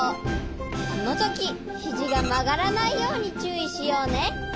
このときひじがまがらないようにちゅういしようね。